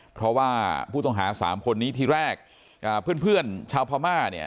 เพราะว่าผู้ต้องหาสามคนนี้ที่แรกเพื่อนชาวพม่าเนี่ย